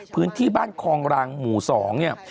พื้นที่บ้านคองรังหมู่๒เนี่ย